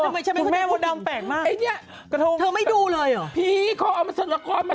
ไม่ต้องวายเว็บกูดูไม่เป็น